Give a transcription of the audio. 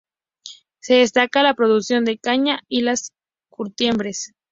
Se destacan la producción de caña y las curtiembres.